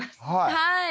はい。